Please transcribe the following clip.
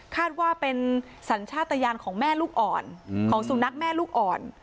คาดว่าเป็นสัญชาติยานของแม่ลูกอ่อนของสุนัขแม่ลูกอ่อน